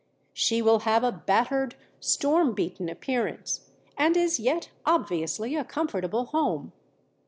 She will have a battered, storm beaten appearance, and is yet obviously a comfortable home.